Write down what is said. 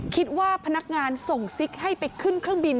คิดว่าพนักงานส่งซิกให้ไปขึ้นเครื่องบิน